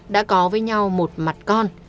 đã có với nhau một mặt con